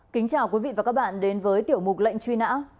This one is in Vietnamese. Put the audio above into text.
kính chào quý vị và các bạn đến với tiểu mục lệnh truy nã